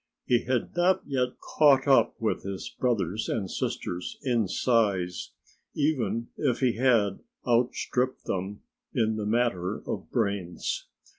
He had not yet caught up with his brothers and sisters in size, even if he had outstripped them in the matter of brains.